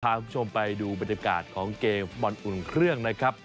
พาคุณผู้ชมไปดูบรรยากาศของเกมฟุตบอลอุ่นเครื่องนะครับ